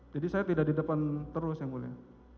jadi saya tidak di depan terus ya mulia